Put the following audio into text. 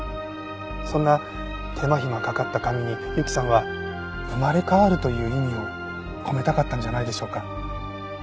そんな手間暇かかった紙に由紀さんは「生まれ変わる」という意味を込めたかったんじゃないでしょうか。